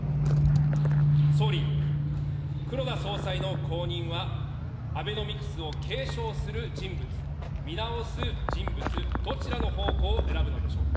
総理、黒田総裁の後任は、アベノミクスを継承する人物、見直す人物、どちらの方向を選ぶのでしょうか。